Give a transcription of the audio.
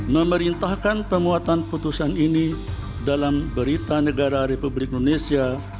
memerintahkan pemuatan putusan ini dalam berita negara republik indonesia